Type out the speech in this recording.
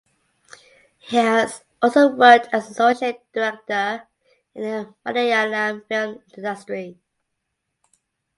He has also worked as an associate director in the Malayalam film industry.